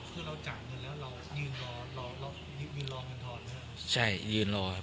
เพื่อนเราจ่ายเงินแล้วเรายืนรอยืนรอกันทอดนะครับ